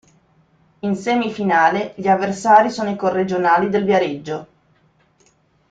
In semifinale gli avversari sono i corregionali del Viareggio.